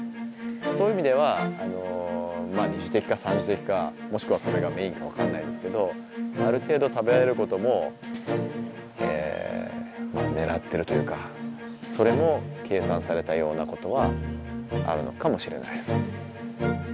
そういう意味では２次的か３次的かもしくはそれがメインか分からないですけどある程度食べられることもねらってるというかそれも計算されたようなことはあるのかもしれないです。